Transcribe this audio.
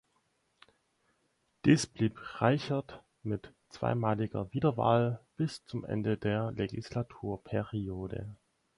Dies blieb Reichert, mit zweimaliger Wiederwahl, bis zum Ende der Legislaturperiode.